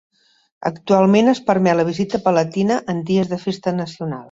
Actualment es permet la visita palatina en dies de festa nacional.